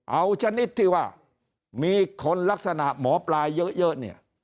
เอาชนิดที่ว่ามีคนลักษณะหมอปลาเยอะเนี่ย